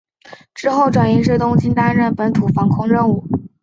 之后转移至东京担任本土防空任务。